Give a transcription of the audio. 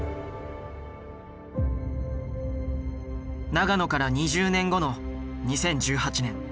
長野から２０年後の２０１８年。